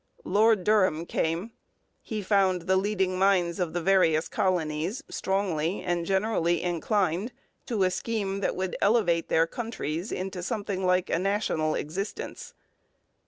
Lord Durham came. He found 'the leading minds of the various colonies strongly and generally inclined to a scheme that would elevate their countries into something like a national existence.'